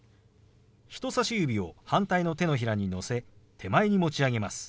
人さし指を反対の手のひらにのせ手前に持ち上げます。